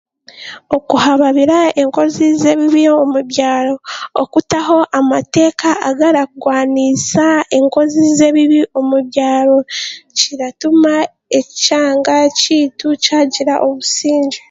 Okuhababira enkozi z'ebibi omu byaro, okutaho amateeka agaragwanisa enkozi z'ebibi omu byaro kiratuma ekyanga kyaitu kyagira obusingye